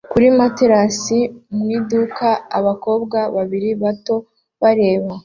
kuri matelas mu iduka abakobwa babiri bato bareba